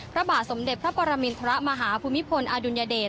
พระบาทสมเด็จพระปรมินทรมาฮภูมิพลอดุลยเดช